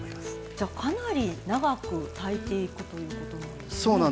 じゃあ、かなり長く炊いていくということなんですね。